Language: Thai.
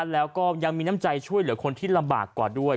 แล้วก็ยังมีน้ำใจช่วยเหลือคนที่ลำบากกว่าด้วย